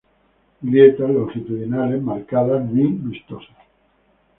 Grietas longitudinales marcadas muy vistosas.